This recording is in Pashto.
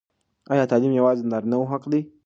ایا تعلیم یوازې د نارینه وو حق دی؟